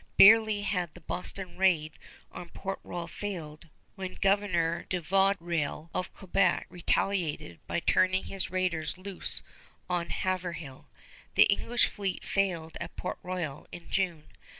Barely had the Boston raid on Port Royal failed, when Governor de Vaudreuil of Quebec retaliated by turning his raiders loose on Haverhill. The English fleet failed at Port Royal in June.